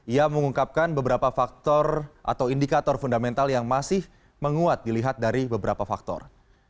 ia mengungkapkan beberapa faktor atau indikator fundamental yang masih menguat dilihat dari beberapa faktor